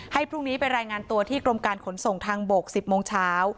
พรุ่งนี้ไปรายงานตัวที่กรมการขนส่งทางบก๑๐โมงเช้า